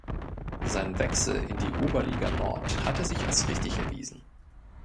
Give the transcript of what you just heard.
Sein Wechsel in die Oberliga Nord hatte sich als richtig erwiesen.